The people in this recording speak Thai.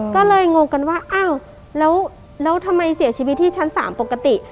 ก็เลยงงกันว่าอ้าวแล้วทำไมเสียชีวิตที่ชั้น๓ปกติ